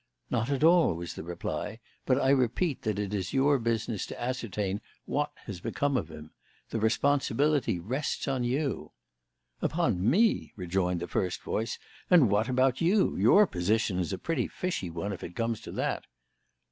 "Not at all," was the reply; "but I repeat that it is your business to ascertain what has become of him. The responsibility rests upon you." "Upon me!" rejoined the first voice. "And what about you? Your position is a pretty fishy one if it comes to that."